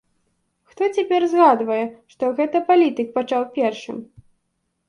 Хто цяпер згадвае, што гэта палітык пачаў першым?